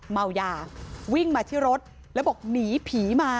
เมายาวิ่งมาที่รถแล้วบอกหนีผีมา